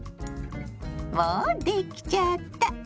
もうできちゃった。